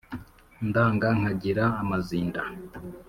Ndanga nkagira amazinda